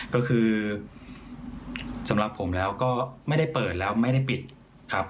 ก็คือสำหรับผมแล้วก็ไม่ได้เปิดแล้วไม่ได้ปิดครับ